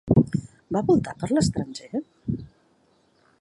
Va voltar per l'estranger?